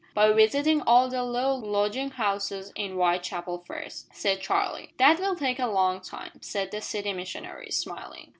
"By visiting all the low lodging houses in Whitechapel first," said Charlie. "That will take a long time," said the City Missionary, smiling.